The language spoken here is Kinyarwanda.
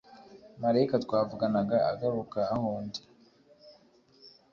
Marayika twavuganaga agaruka aho ndi